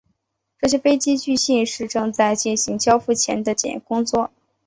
这些飞机据信是正在进行交付前的检验工作。